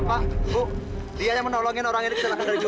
kamu yang menolong zairah